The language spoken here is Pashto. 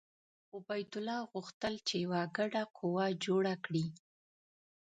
عبیدالله غوښتل چې یوه ګډه قوه جوړه کړي.